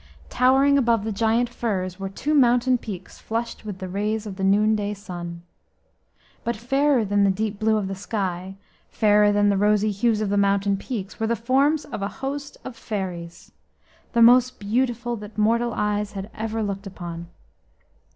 Towering above the giant firs were two mountain peaks flushed with the rays of the noonday sun. But fairer than the deep blue of the sky, fairer than the rosy hues of the mountain peaks, were the forms of a host of fairies, the most beautiful that mortal eyes had ever looked upon.